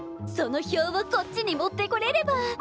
その票をこっちに持ってこれれば。